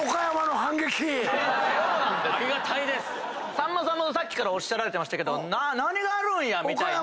さんまさんもさっきからおっしゃられてましたけど何があるんや？みたいな。